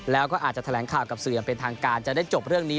แล้วก็อาจจะแถลงข่าวกับสื่ออย่างเป็นทางการจะได้จบเรื่องนี้